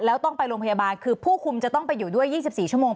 แล้วต้องไปโรงพยาบาลคือผู้คุมจะต้องไปอยู่ด้วย๒๔ชั่วโมง